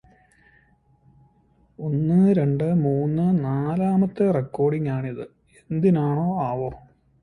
Help!! I'm tied up to a chair, can you please help me?